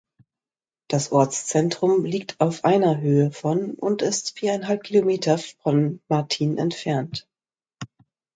Das Ortszentrum liegt auf einer Höhe von und ist viereinhalb Kilometer von Martin entfernt.